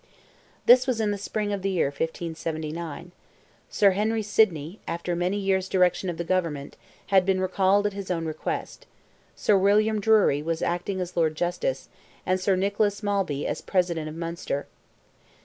This was in the spring of the year 1579. Sir Henry Sidney, after many years' direction of the government, had been recalled at his own request; Sir William Drury was acting as Lord Justice; and Sir Nicholas Malby as President of Munster.